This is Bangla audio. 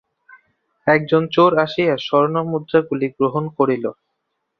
একজন চোর আসিয়া স্বর্ণমুদ্রাগুলি গ্রহণ করিল।